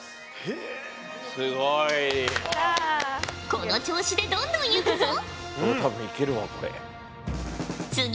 この調子でどんどんゆくぞ。